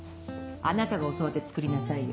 あなたが教わって作りなさいよ。